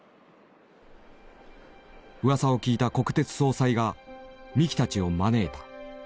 うわさを聞いた国鉄総裁が三木たちを招いた。